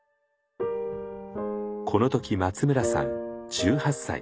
この時松村さん１８歳。